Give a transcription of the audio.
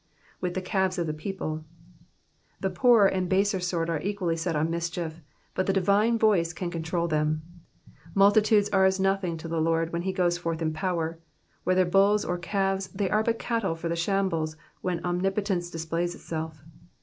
^^With the calves of the people.'^ The poorer and baser sort are equally set on mischief, but the divine voice can control them ; multitudes are as nothing to the Lord when he goes forth in power ; whether bulls or calves, they are but cattle for the shambles when Omnipotence dis{>lays itself.